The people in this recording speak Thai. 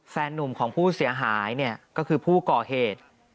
แฟนนุ่มของผู้เสียหายก็คือผู้ก่อเหตุ